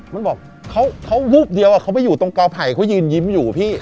มันบอกเขาวูบเดียวเขาไปอยู่ตรงกอไผ่เขายืนยิ้มอยู่พี่